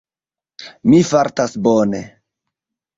Mi fartas bone.